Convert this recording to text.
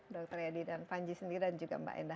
dokter edi dan panji sendiri dan juga mbak endah